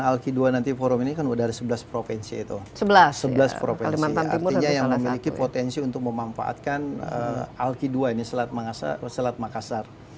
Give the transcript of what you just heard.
alki dua ini selat makassar